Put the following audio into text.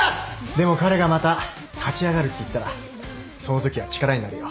でも彼がまた立ち上がるって言ったらそのときは力になるよ。